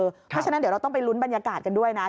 เพราะฉะนั้นเดี๋ยวเราต้องไปลุ้นบรรยากาศกันด้วยนะ